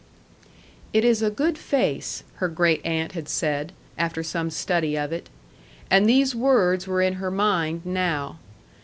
"It is a good face," her great aunt had said, after some study of it. And these words were in her mind now.